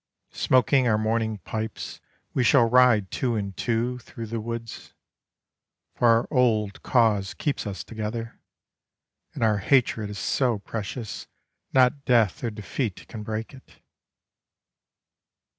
Smoking our morning pipes we shall ride two and two Through the woods. For our old cause keeps us together, And our hatred is so precious not death or defeat can break it.